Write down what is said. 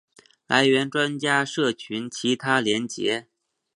来源专家社群其他连结